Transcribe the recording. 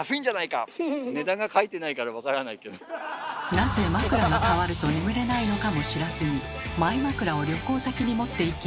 なぜ枕がかわると眠れないのかも知らずにマイ枕を旅行先に持っていき